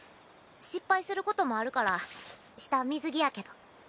失敗することもあるから下水着やけど。